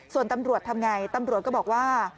ส่วนตำรวจทำไงตำรวจก็บอกว่า